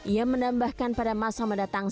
ia menambahkan pada masa mendatang